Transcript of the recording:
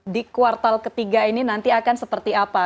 di kuartal ketiga ini nanti akan seperti apa